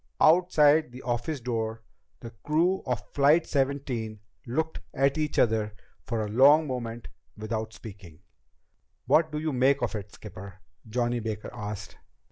Outside the office door, the crew of Flight Seventeen looked at each other for a long moment without speaking. "What do you make of it, skipper?" Johnny Baker asked.